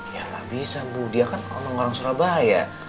ya gak bisa bu dia kan orang surabaya